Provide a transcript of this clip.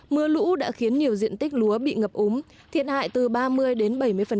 mưa lũ đã khiến nhiều diện tích lúa bị ngập úng thiệt hại từ ba mươi đến bảy mươi